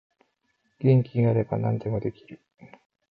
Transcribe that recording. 元気があれば何でもできる